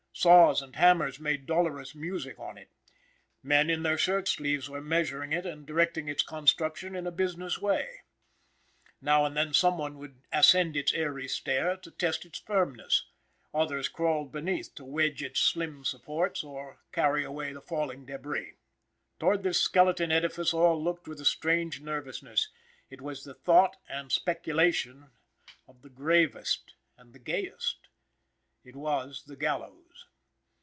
Saws and hammers made dolorous music on it. Men, in their shirt sleeves, were measuring it and directing its construction in a business way. Now and then some one would ascend its airy stair to test its firmness; others crawled beneath to wedge its slim supports, or carry away the falling debris. Toward this skeleton edifice all looked with a strange nervousness. It was the thought and speculation of the gravest and the gayest. It was the gallows.